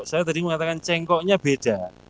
saya tadi mengatakan cengkoknya beda